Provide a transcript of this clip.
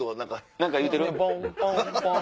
何かいうてる？